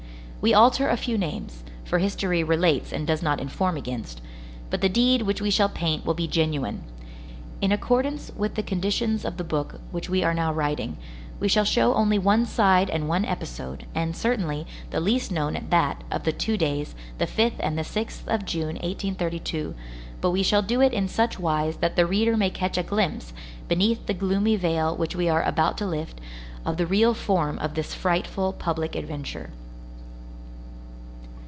We alter a few names, for history relates and does not inform against, but the deed which we shall paint will be genuine. In accordance with the conditions of the book which we are now writing, we shall show only one side and one episode, and certainly, the least known at that, of the two days, the 5th and the 6th of June, 1832, but we shall do it in such wise that the reader may catch a glimpse, beneath the gloomy veil which we are about to lift, of the real form of this frightful public adventure.